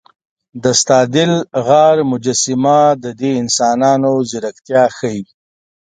د ستادل غار مجسمه د دې انسانانو ځیرکتیا ښيي.